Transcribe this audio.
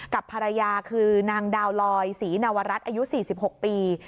กับภรรยาคือนางดาวลอยศรีนวรัฐอายุ๔๖ปี